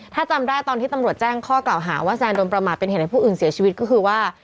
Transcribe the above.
ถ้าจำได้ตอนที่ตำรวจแจ้งข้อกล่าวหาว่าแซนโดนประมาทเป็นเหตุให้ผู้อื่นเสียชีวิตก็คือว่า